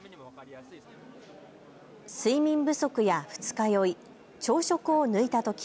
睡眠不足や二日酔い、朝食を抜いたとき。